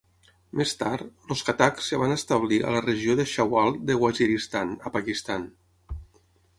Més tard, els Khattak es van establir a la regió de Shawal de Waziristan, a Pakistan.